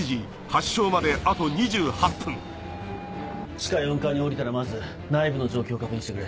地下４階に下りたらまず内部の状況を確認してくれ。